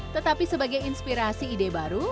tetapi sebagai inspirasi ide baru